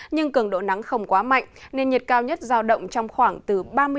nhưng cường độ nắng không quá mạnh nền nhiệt cao nhất giao động trong khoảng từ ba mươi ba